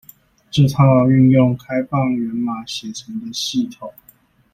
這套運用開放源碼寫成的系統